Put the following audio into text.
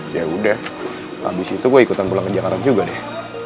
yaudah abis itu gue ikutan pulang ke jakarta juga deh